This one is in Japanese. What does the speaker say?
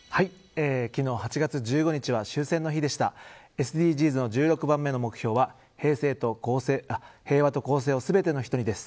昨日８月１５日は終戦の日でしたＳＤＧｓの１６番目の目標は平和と公正を全ての人に、です。